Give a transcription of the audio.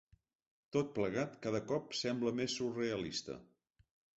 Tot plegat cada cop sembla més surrealista.